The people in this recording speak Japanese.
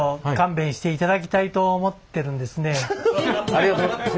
ありがとうございます。